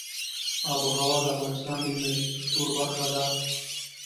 آب وهوا د افغانستان د انرژۍ سکتور برخه ده.